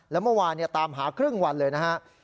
แล้วเมื่อวานตามหาครึ่งวันเลยนะครับ